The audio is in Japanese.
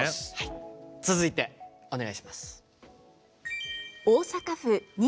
続いてお願いします。